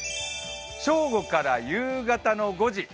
正午から夕方の５時。